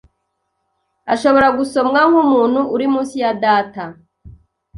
ashobora gusomwa nkumuntu uri munsi ya Data.